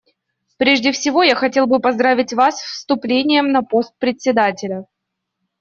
Прежде всего я хотел бы поздравить Вас с вступлением на пост Председателя.